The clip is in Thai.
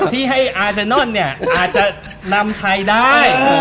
ที่ให้อาเซนนอลอาจจะนำใช้ได้